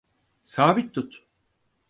Sabit tut.